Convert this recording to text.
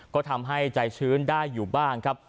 ก็ทำให้ใจชื้นได้อยู่บ้างครับ